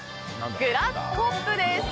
グラスコップです。